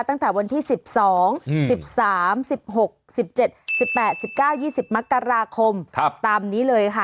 ตั้งแต่วันที่๑๒๑๓๑๖๑๗๑๘๑๙๒๐มกราคมตามนี้เลยค่ะ